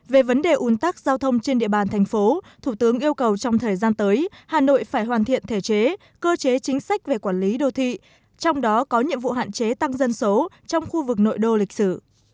về vấn đề ủn tắc giao thông trên địa bàn thành phố thủ tướng yêu cầu trong thời gian tới hà nội phải hoàn thiện thể chế cơ chế chính sách về quản lý đô thị trong đó có nhiệm vụ hạn chế tăng dân số trong khu vực nội đô lịch sử